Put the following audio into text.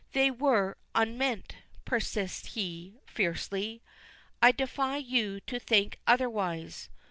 "They were unmeant!" persists he, fiercely. "I defy you to think otherwise.